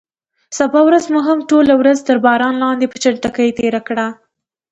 سبا ورځ مو هم ټوله ورځ تر باران لاندې په چټکۍ تېره کړه.